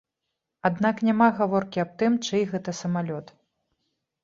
Аднак няма гаворкі аб тым, чый гэта самалёт.